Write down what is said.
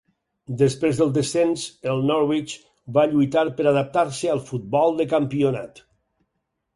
Després del descens, el Norwich va lluitar per adaptar-se al futbol de campionat.